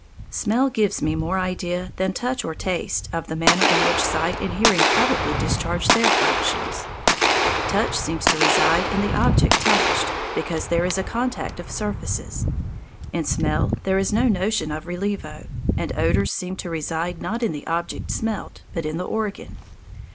Smell gives me more idea than touch or taste of the manner in which sight and hearing probably discharge their functions. Touch seems to reside in the object touched, because there is a contact of surfaces. In smell there is no notion of relievo, and odour seems to reside not in the object smelt, but in the organ.